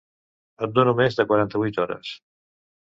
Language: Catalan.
Et dono més de quaranta-vuit hores.